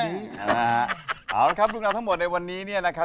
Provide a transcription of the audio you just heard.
เอาละครับเรื่องราวทั้งหมดในวันนี้เนี่ยนะครับ